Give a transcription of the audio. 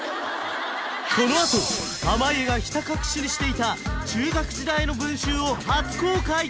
このあと濱家がひた隠しにしていた中学時代の文集を初公開！